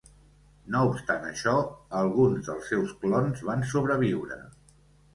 No obstant això, alguns dels seus clons van sobreviure.